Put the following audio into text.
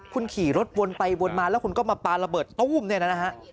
คุณขี่รถวนไปวนมาแล้วคุณก็มาปลาระเบิดตู้มเนี่ยนะฮะ